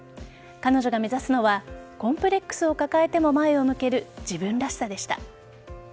彼女が目指すのはコンプレックスを抱えても前を向ける自分らしさでした。